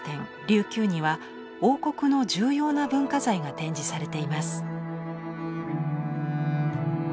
琉球には王国の重要な文化財が展示されています。